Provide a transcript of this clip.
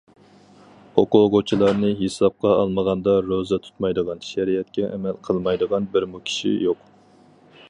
ئوقۇغۇچىلارنى ھېسابقا ئالمىغاندا، روزا تۇتمايدىغان، شەرىئەتكە ئەمەل قىلمايدىغان بىرمۇ كىشى يوق.